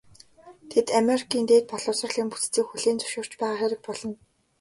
Тэд Америкийн дээд боловсролын бүтцийг хүлээн зөвшөөрч байгаа хэрэг болно.